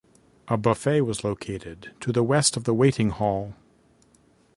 A buffet was located to the west of the waiting hall.